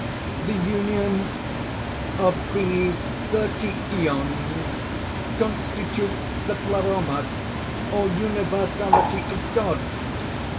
"The union of these thirty Æons constitutes the Pleroma, or Universality of God.